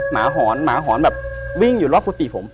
หอนหมาหอนแบบวิ่งอยู่รอบกุฏิผม